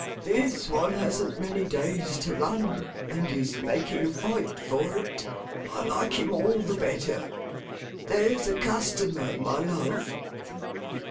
This one hasn't many days to run, and is making a fight for it. I like him all the better. There's a customer, my love!